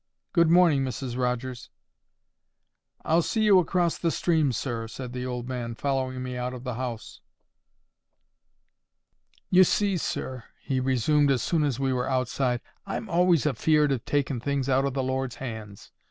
Good morning, Mrs. Rogers." "I'll see you across the stream, sir," said the old man, following me out of the house. "You see, sir," he resumed, as soon as we were outside, "I'm always afeard of taking things out of the Lord's hands.